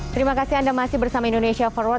terima kasih anda masih bersama indonesia forward